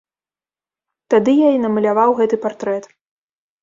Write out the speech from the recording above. Тады я і намаляваў гэты партрэт.